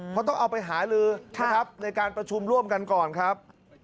เพราะต้องเอาไปหาลือนะครับในการประชุมร่วมกันก่อนครับ